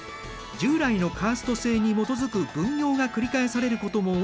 従来のカースト制に基づく分業が繰り返されることも多いんだ。